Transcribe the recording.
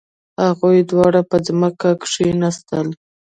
هغوی دواړه په ځمکه کښیناستل.